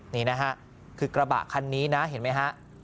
นี่นะฮะคือกระบะคันนี้นะเห็นไหมฮะ